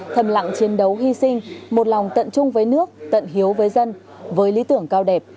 thầm lặng chiến đấu hy sinh một lòng tận chung với nước tận hiếu với dân với lý tưởng cao đẹp